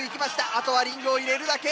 あとはリングを入れるだけ。